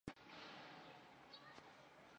开创了中国网站出假日版的先河。